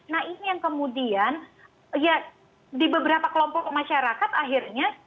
nah ini yang kemudian ya di beberapa kelompok masyarakat akhirnya